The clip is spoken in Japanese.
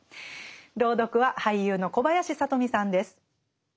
朗読は俳優の小林聡美さんです。